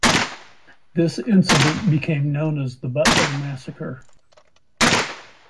This incident became known as the Butler Massacre.